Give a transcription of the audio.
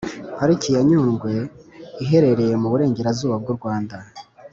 Pariki ya nyungwe iherereye mu burengerazuba bw u Rwanda